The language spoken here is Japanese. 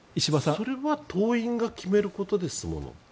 それは党員が決めることですもの。